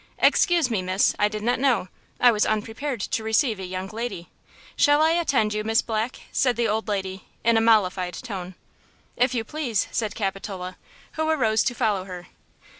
"Excuse me, miss; I did not know; I was unprepared to receive a young lady. Shall I attend you, Miss Black?" said the old lady, in a mollified tone. "If you please," said Capitola, who arose to follow her.